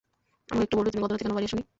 আমাকে একটু বলবে তুমি গত রাতে কেন বাড়ি আসোনি?